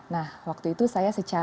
nah waktu itu saya sempat jadi guru sd